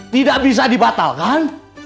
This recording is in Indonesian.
tidak bisa dibatalkan